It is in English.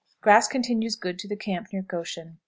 Grass continues good to the camp near Goshen.